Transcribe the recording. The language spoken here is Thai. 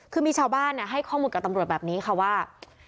คือมีชาวบ้านให้ข้อมูลกับตำรวจแบบนี้ค่ะว่า